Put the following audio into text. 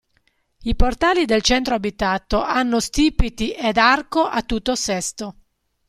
I portali del centro abitato hanno stipiti ed arco a tutto sesto.